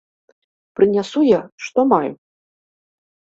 Прынясу я, што маю.